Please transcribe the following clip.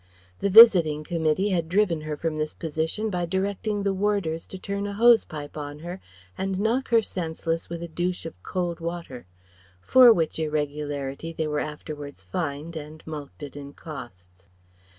The Visiting Committee had driven her from this position by directing the warders to turn a hose pipe on her and knock her senseless with a douche of cold water; for which irregularity they were afterwards fined and mulcted in costs.